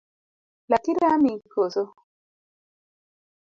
Laki rami koso?